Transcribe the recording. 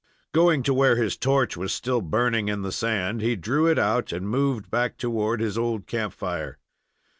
Going to where his torch was still burning in the sand, he drew it out and moved back toward his old camp fire.